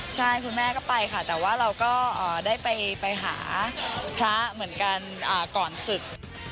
ใช่คุณแม่ก็ไปค่ะแต่ว่าเราก็ได้ไปหาพระเหมือนกันก่อนศึก